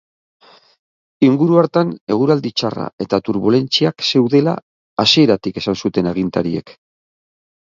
Inguru hartan eguraldi txarra eta turbulentziak zeudela hasieratik esan zuten agintariek.